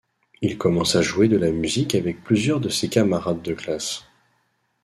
Il commence à jouer de la musique avec plusieurs de ses camarades de classe.